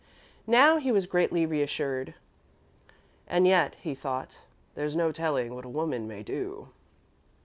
Now he was greatly reassured. "And yet," he thought, "there's no telling what a woman may do."